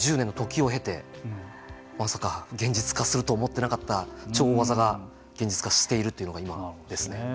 まさか現実化すると思ってなかった超大技が現実化しているというのが今ですね。